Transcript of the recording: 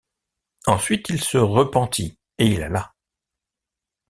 Ensuite, il se repentit, et il alla.